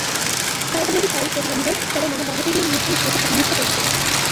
খেলাটা যেহেতু শারীরিক প্রতিবন্ধীদের—সবাই নানা বাধা পেরিয়ে নিজ নিজ দেশের প্রতিনিধিত্ব করছেন।